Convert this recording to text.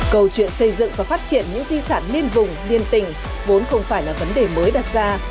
câu chuyện xây dựng và phát triển những di sản liên vùng liên tình vốn không phải là vấn đề mới đặt ra